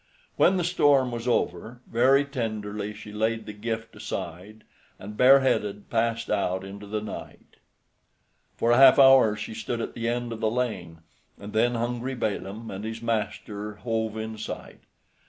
When the storm was over, very tenderly she laid the gift aside, and bareheaded passed out into the night. For a half hour she stood at the end of the lane, and then hungry Balaam and his master hove in sight.